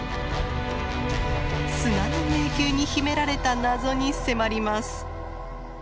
砂の迷宮に秘められた謎に迫ります。